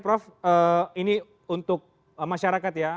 prof ini untuk masyarakat ya